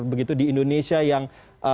begitu di indonesia yang